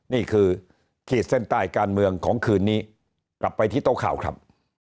นี่คือขีดเส้นใต้การเมืองของคืนนี้กลับไปที่โต๊ะข่าวครับ